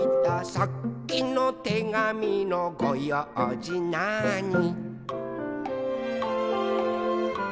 「さっきのてがみのごようじなーに」